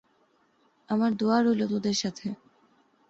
আমার দোয়া রইল তোদের সাথে।